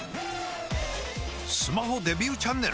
スマホデビューチャンネル！？